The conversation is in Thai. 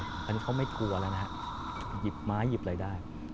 อันนี้เขาไม่กลัวแล้วนะฮะหยิบไม้หยิบอะไรได้